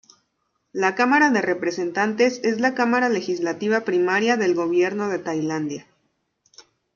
La Cámara de Representantes es la cámara legislativa primaria del Gobierno de Tailandia.